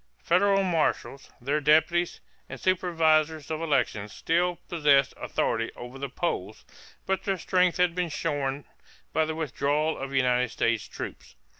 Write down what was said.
Federal marshals, their deputies, and supervisors of elections still possessed authority over the polls, but their strength had been shorn by the withdrawal of United States troops.